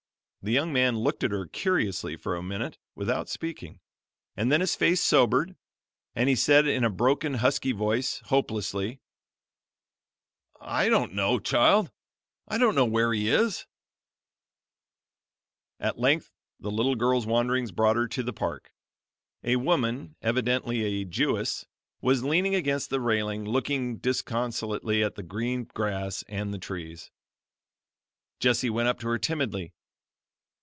The young man looked at her curiously for a minute without speaking, and then his face sobered; and he said in a broken, husky voice, hopelessly: "I don't know, child; I don't know where he is." At length the little girl's wanderings brought her to the park. A woman evidently a Jewess, was leaning against the railing, looking disconsolately at the green grass and the trees. Jessie went up to her timidly.